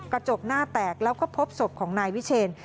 กระจกหน้าแตกแล้วก็พบศพของนายวิเชน